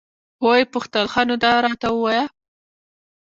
ويې پوښتل ښه نو دا راته ووايه.